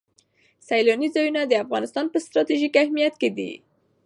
سیلاني ځایونه د افغانستان په ستراتیژیک اهمیت کې دي.